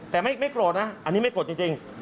แต่ไม่โกรธนะอันนี้ไม่โกรธจริง